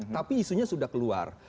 tapi isunya sudah keluar